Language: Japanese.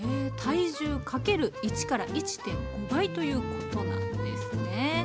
体重×１１．５倍ということなんですね。